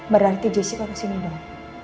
berarti jessica kesini dong